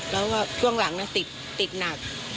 แล้วก็ช่วงหลังติดหนัก